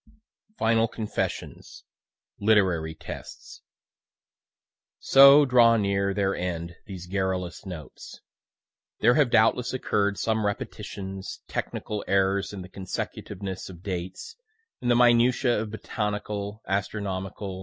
FINAL CONFESSIONS LITERARY TESTS So draw near their end these garrulous notes. There have doubtless occurr'd some repetitions, technical errors in the consecutiveness of dates, in the minutiae of botanical, astronomical, &c.